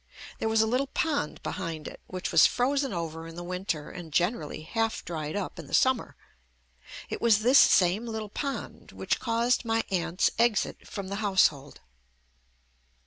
There was a little pond behind it which was frozen over in the winter and generally half dried up in the summer. It was this same little pond which caused my aunt's exit from the house hold.